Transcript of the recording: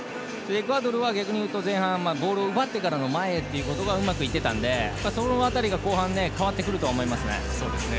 エクアドルは逆に言うと前半、ボールを奪ってからの前へというのがうまくいってたのでその辺りが後半は変わってくると思いますね。